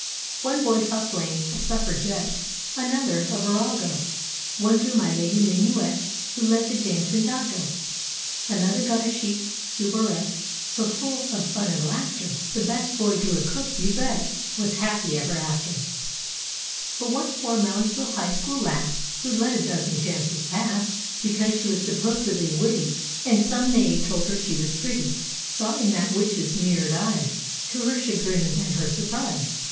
One boy saw plain, a suffragette; Another, a virago; One drew My Lady Minuet Who led the dance in Dago. Another got a chic soubrette. So full of fun and laughter; The best boy drew a cook, you bet. Was happy ever after. But one poor Moundsville High school lass Who'd let a dozen chances pass Because she was suppos'dly witty, (And some knave told her she was pretty) — Saw in that witches' mirrored eyes. To her chagrin and her surprise.